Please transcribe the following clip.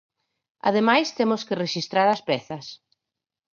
Ademais temos que rexistrar as pezas.